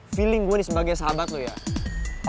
feeling gue nih sebagai sahabat loh ya